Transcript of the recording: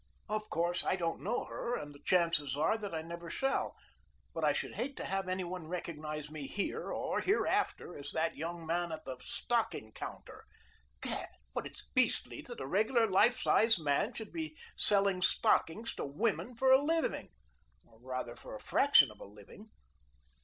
Of course, I don't know her, and the chances are that I never shall, but I should hate to have any one recognize me here, or hereafter, as that young man at the stocking counter. Gad! but it's beastly that a regular life sized man should be selling stockings to women for a living, or rather for a fraction of a living."